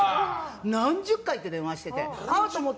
何十回って電話してて。